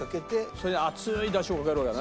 それに熱い出汁をかけるわけだな。